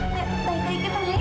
balik balik ke tengah ya